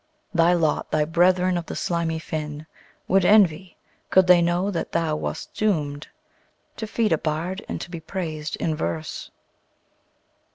Thy lot thy brethern of the slimy fin Would envy, could they know that thou wast doom'd To feed a bard, and to be prais'd in verse.